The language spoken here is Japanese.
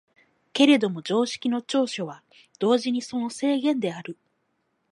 けれども常識の長所は同時にその制限である。